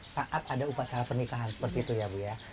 saat ada upacara pernikahan seperti itu ya bu ya